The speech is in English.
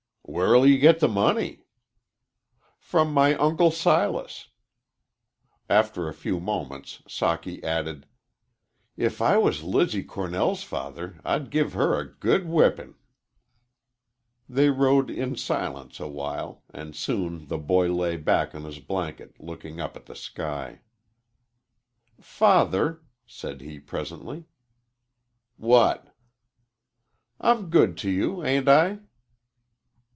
"Where'll you get the money?" "From my Uncle Silas." After a few moments Socky added, "If I was Lizzie Cornell's father I'd give her a good whipping." They rode in silence awhile, and soon the boy lay back on his blanket looking up at the sky. "Father," said he, presently. "What?" "I'm good to you, ain't I?"